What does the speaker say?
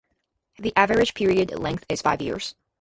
The average period length is five years.